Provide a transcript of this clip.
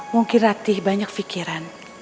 mungkin ratih banyak pikiran